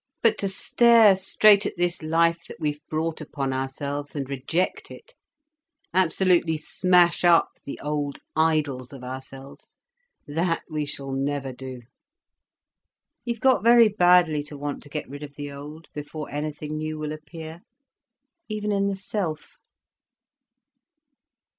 But to stare straight at this life that we've brought upon ourselves, and reject it, absolutely smash up the old idols of ourselves, that we sh'll never do. You've got very badly to want to get rid of the old, before anything new will appear—even in the self."